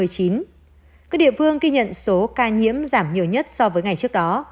các địa phương ghi nhận số ca nhiễm giảm nhiều nhất so với ngày trước đó